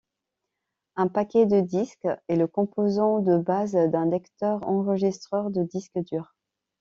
Un paquet de disques est le composant de base d'un lecteur-enregistreur de disques durs.